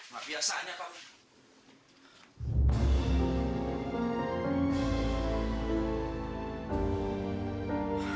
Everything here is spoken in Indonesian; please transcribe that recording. mabiasan ya pak